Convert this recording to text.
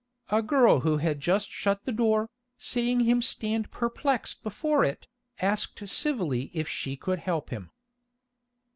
A girl who had just shut the door, seeing him stand perplexed before it, asked civilly if she could help him.